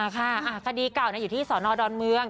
คดีเก่าอยู่ที่สอนอดอนเมือง